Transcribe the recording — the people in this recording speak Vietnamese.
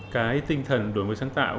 cái tinh thần đổi mới sáng tạo